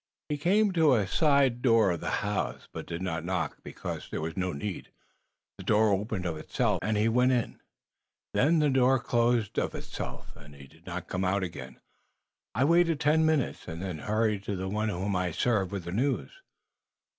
He came to a side door of the house, but he did not knock, because there was no need. The door opened of itself, and he went in. Then the door closed of itself, and he did not come out again. I waited ten minutes and then hurried to the one whom I serve with the news."